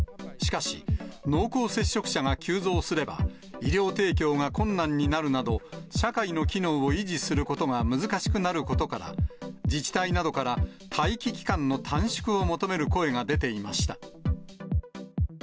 しかし、濃厚接触者が急増すれば、医療提供が困難になるなど、社会の機能を維持することが難しくなることから、自治体などから待機期間の短縮を求める声が出ていました。